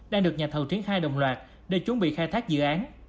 đang được nhà thầu triển khai đồng loạt để chuẩn bị khai thác dự án